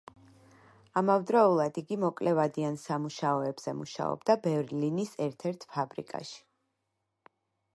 ამავდროულად იგი მოკლევადიან სამუშაოებზე მუშაობდა ბერლინის ერთ-ერთ ფაბრიკაში.